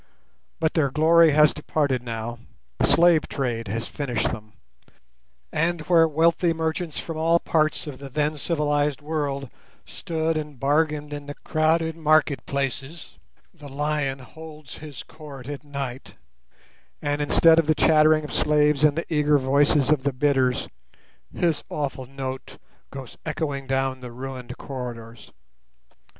But their glory has departed now—the slave trade has finished them—and where wealthy merchants from all parts of the then civilized world stood and bargained in the crowded market places, the lion holds his court at night, and instead of the chattering of slaves and the eager voices of the bidders, his awful note goes echoing down the ruined corridors.